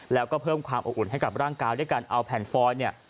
แล้วก็เพิ่มความอบอุ่นให้กับร่างกายด้วยการเอาแผ่นฟอยเนี่ย